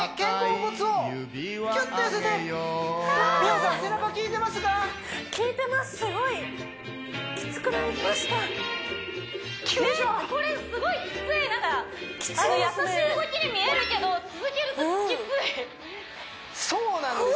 これすごいきついなんかやさしい動きに見えるけど続けるときついそうなんですよ